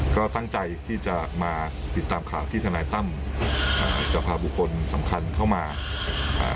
ก็ตั้งใจที่จะมาติดตามข่าวที่ทนายตั้มอ่าจะพาบุคคลสำคัญเข้ามาอ่า